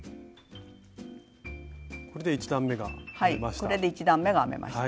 これで１段めが編めました。